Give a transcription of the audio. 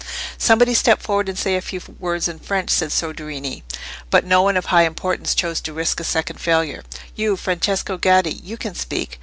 "Somebody step forward and say a few words in French," said Soderini. But no one of high importance chose to risk a second failure. "You, Francesco Gaddi—you can speak."